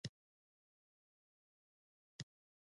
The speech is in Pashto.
آیا دا پوله د سوداګرۍ لپاره مهمه نه ده؟